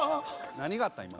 何があったん。